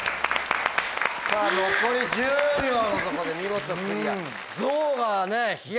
残り１０秒のとこで見事クリア。